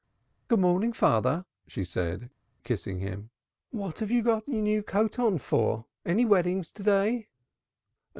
"Good morning, father," she said, kissing him. "What have you got your new coat on for? Any weddings to day?"